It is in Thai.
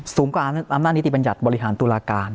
สูงกว่าอำนาจนิติบัญญัติบริหารตุลาการ